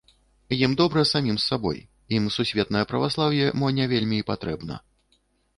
Ім добра самім з сабой, ім сусветнае праваслаўе мо не вельмі і патрэбна.